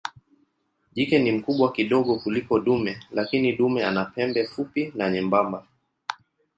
Jike ni mkubwa kidogo kuliko dume lakini dume ana pembe fupi na nyembamba.